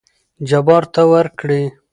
جبار ته ورکړې.